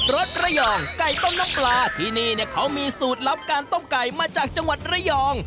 สระยองไก่ต้มน้ำปลาที่นี่เนี่ยเขามีสูตรลับการต้มไก่มาจากจังหวัดระยอง